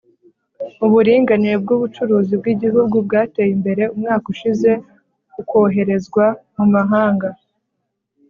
Uburinganire bwubucuruzi bwigihugu bwateye imbere umwaka ushize ukoherezwa mu mahanga